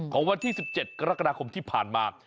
วันที่๑๗กรกฎาคมที่ผ่านมา